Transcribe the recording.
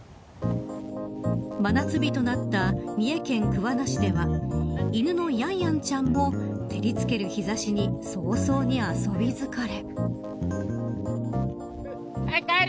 真夏日となった三重県、桑名市では犬のヤンヤンちゃんも照りつける日差しに早々に遊び疲れ。